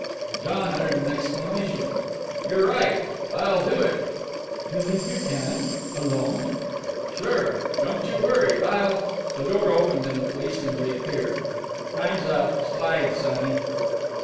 John uttered an exclamation. "You're right! I'll do it." "You think you can? Alone?" "Sure! Don't you worry. I'll " The door opened and the policeman reappeared. "Time's up. Slide, sonny."